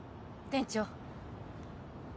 店長